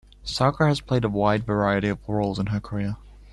Sarker has played a wide variety of roles in her career.